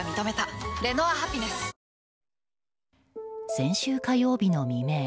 先週火曜日の未明